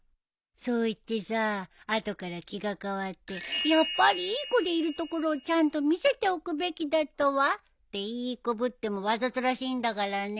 そう言ってさ後から気が変わってやっぱりいい子でいるところをちゃんと見せておくべきだったわっていい子ぶってもわざとらしいんだからね。